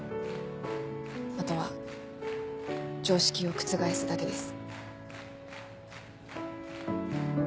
あとは常識を覆すだけです。